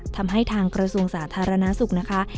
ทำให้ทางกระทรนสาธารณะสุขนะคะ